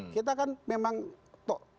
kita kan memang tok